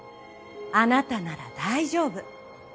あなたなら大丈夫。